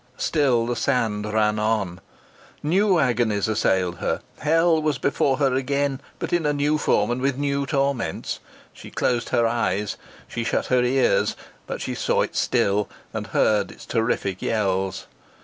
Still the sand ran on. New agonies assailed her. Hell was before her again, but in a new form, and with new torments. She closed her eyes. She shut her ears. But she saw it still, and heard its terrific yells.